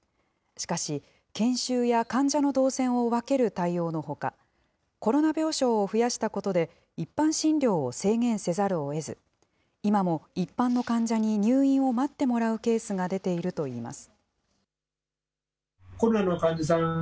しかし、研修や患者の動線を分ける対応のほか、コロナ病床を増やしたことで、一般診療を制限せざるをえず、今も一般の患者に入院を待ってもらうケースが出ているといいます。